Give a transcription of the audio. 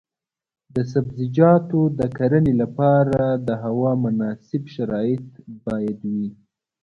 د سبزیجاتو د کرنې لپاره د هوا مناسب شرایط باید وي.